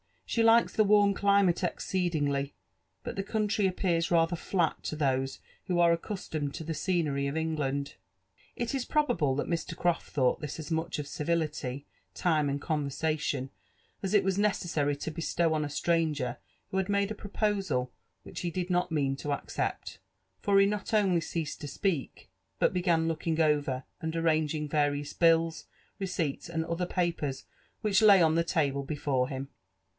She likes the warm climate exceedingly ; but the country appaara rather flat to those who are accustomed to the scenery of England." It is probable that Mr. Croft thought this as much of civility, time# and conversation, as it was necessary to bestow on a stran^^r who 1^ made a proposal which he did not mean to accept ; for he not only ceased to si)eak, but began looking over and arranging various bills^ receipts, and other papers which lay on the table before him.